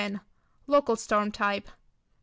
Local storm type. No.